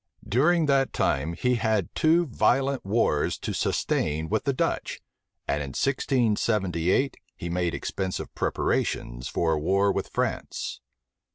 During that time, he had two violent wars to sustain with the Dutch; and in 1678, he made expensive preparations for a war with France.